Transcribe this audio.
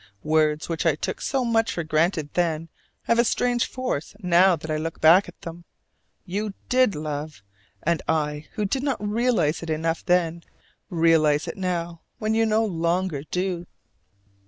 Words which I took so much for granted then have a strange force now that I look back at them. You did love: and I who did not realize it enough then, realize it now when you no longer do.